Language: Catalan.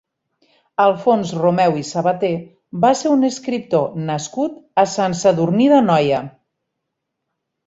Alfons Romeu i Sabater va ser un escriptor nascut a Sant Sadurní d'Anoia.